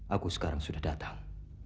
aku sekarang sudah datang